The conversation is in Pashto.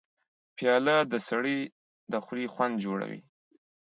پیاله د سړي د خولې خوند جوړوي.